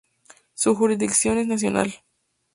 Su jurisdicción es nacional.